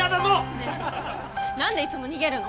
ねえ何でいつも逃げるの？